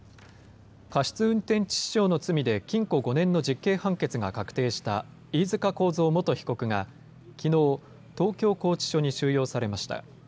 過失運転致死傷の罪で禁錮５年の実刑判決が確定した飯塚幸三元被告が、きのう、東京拘置所に収容されました。